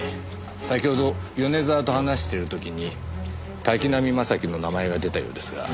先ほど米沢と話してる時に滝浪正輝の名前が出たようですが。